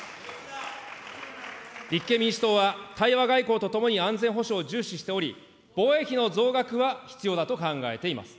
立憲民主党は対話外交とともに安全保障を重視しており、防衛費の増額は必要だと考えています。